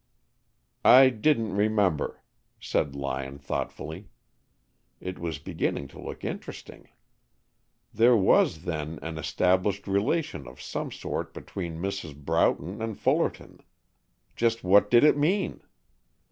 "I didn't remember," said Lyon thoughtfully. It was beginning to look interesting. There was, then, an established relation of some sort between Mrs. Broughton and Fullerton. Just what did it mean?